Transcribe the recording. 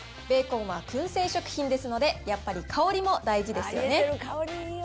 ベーコンはくん製食品ですので、やっぱり香りも大事ですよね。